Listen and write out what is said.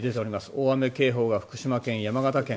大雨警報が福島県、山形県。